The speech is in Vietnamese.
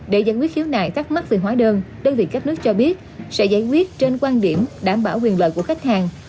để giải quyết khiếu nại thắc mắc về hóa đơn đơn vị cấp nước cho biết sẽ giải quyết trên quan điểm đảm bảo quyền lợi của khách hàng